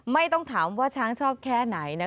ไม่ต้องถามว่าช้างชอบแค่ไหน